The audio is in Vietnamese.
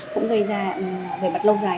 cũng gây ra về mặt lâu dài